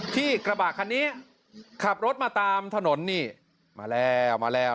กระบะคันนี้ขับรถมาตามถนนนี่มาแล้วมาแล้ว